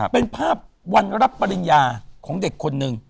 เป็นภาพวันรับปริญญาของเด็กคนหนึ่ง